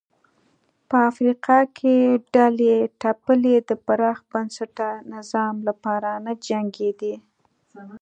په افریقا کې ډلې ټپلې د پراخ بنسټه نظام لپاره نه جنګېدې.